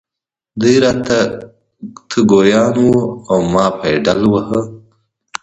دی را ته ګویان و او ما پایډل واهه.